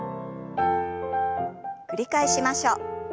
繰り返しましょう。